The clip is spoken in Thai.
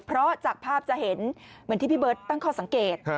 เพราะจากภาพจะเห็นเหมือนที่พี่เบิร์ตตั้งข้อสังเกต